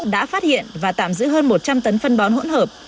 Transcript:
đã phát hiện và tạm giữ hơn một trăm linh tấn phân bón hỗn hợp